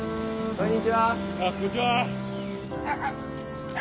こんにちは